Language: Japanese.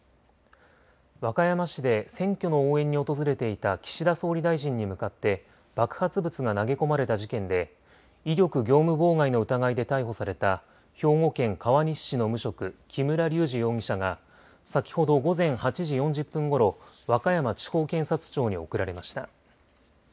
和歌山市で選挙の応援に訪れていた岸田総理大臣に向かって爆発物が投げ込まれた事件で威力業務妨害の疑いで逮捕された兵庫県川西市の無職、木村隆二容疑者が先ほど午前８時４０分ごろ和歌山地方検察庁に送られました。